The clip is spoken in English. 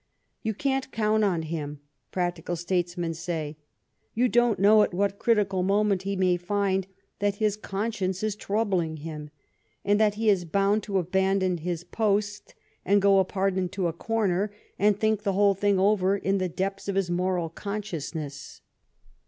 " You can't count on him," practical statesmen say. " You don't know at what critical moment he may find that his con science is troubling him, and that he is bound to abandon his post and go apart into a corner and GLADSTONFS MARRIAGE 91 think the whole thing over in the depths of his moral consciousness."